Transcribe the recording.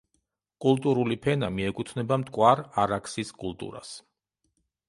კულტურული ფენა მიეკუთვნება მტკვარ-არაქსის კულტურას.